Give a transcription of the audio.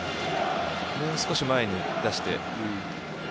もう少し前に出せれば。